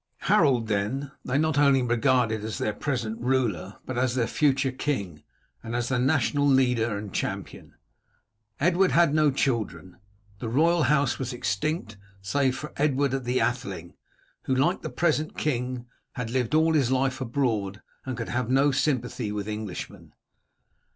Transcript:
Harold, then, they not only regarded as their present ruler, but as their future king, and as the national leader and champion. Edward had no children. The royal house was extinct save for Edward the Atheling, who, like the present king, had lived all his life abroad, and could have no sympathy with Englishmen.